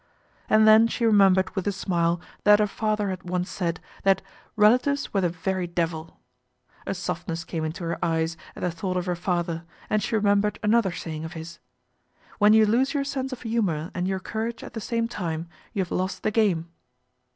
And then she remembered with a smile that her father had once said that " relatives were the very devil." A softness came into her eyes at the thought of her father, and she remembered another saying of his, '' When you lose your sense oi humour and your courage at the same time, you have lost the game."